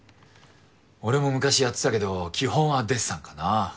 俺も昔やってたけど基本はデッサンかな。